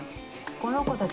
この子たち